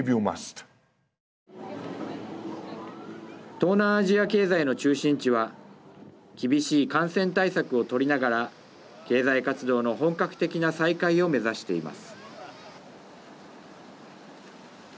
東南アジア経済の中心地は厳しい感染対策をとりながら経済活動の本格的な再開を目指しています。